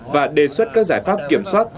và đề xuất các giải pháp kiểm soát